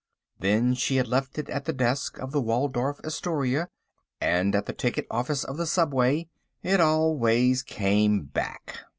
Then she had left it at the desk of the Waldorf Astoria, and at the ticket office of the subway. It always came back.